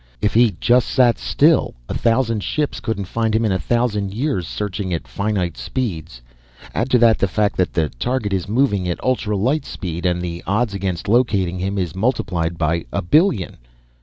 If he just sat still, a thousand ships couldn't find him in a thousand years, searching at finite speeds. Add to that the fact that the target is moving at ultra light speed and the odds against locating him is multiplied by a billion."